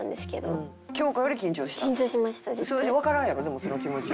わからんやんかでもその気持ちは。